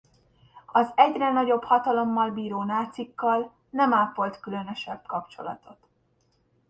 Az egyre nagyobb hatalommal bíró nácikkal nem ápolt különösebb kapcsolatot.